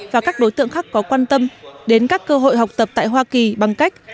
và các đối tượng khác có quan tâm đến các cơ hội học tập tại hoa kỳ bằng cách